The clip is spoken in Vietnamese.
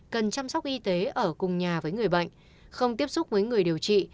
cần chăm sóc y tế ở cùng nhà với người bệnh không tiếp xúc với người điều trị